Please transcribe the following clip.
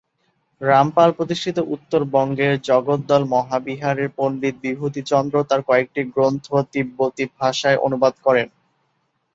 রামপাল প্রতিষ্ঠিত উত্তরবঙ্গের জগদ্দল মহাবিহারের পন্ডিত বিভূতিচন্দ্র তাঁর কয়েকটি গ্রন্থ তিববতি ভাষায় অনুবাদ করেন।